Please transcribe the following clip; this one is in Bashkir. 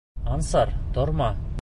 Ансар, торма!